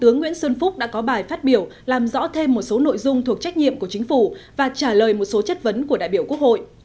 thủ tướng nguyễn xuân phúc đã có bài phát biểu làm rõ thêm một số nội dung thuộc trách nhiệm của chính phủ và trả lời một số chất vấn của đại biểu quốc hội